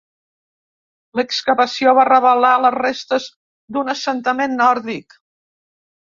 L'excavació va revelar les restes d'un assentament nòrdic.